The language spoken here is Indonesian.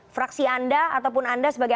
fraksi anda ataupun anda sebagai